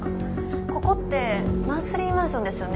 ここってマンスリーマンションですよね？